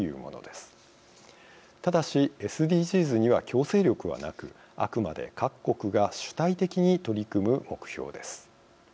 ただしＳＤＧｓには強制力はなくあくまで各国が主体的に取り組む目標です。